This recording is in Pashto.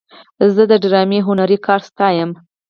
زه د ډرامې هنري کار ستایم.